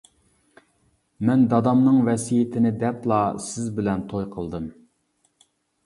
مەن دادامنىڭ ۋەسىيىتىنى دەپلا سىز بىلەن توي قىلدىم.